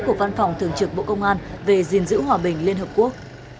của văn phòng thường trực bộ công an về gìn giữ hòa bình liên hợp quốc